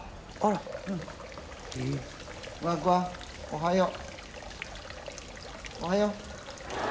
おはよう。